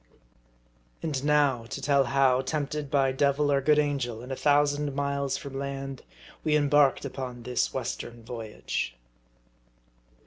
AND now to tell how, tempted by devil or good angel, and a thousand miles from land, we embarked upon this western voyage.